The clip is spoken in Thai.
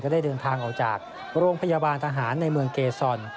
ได้เดินทางออกจากโรงพยาบาลทหารในเมืองเกซอน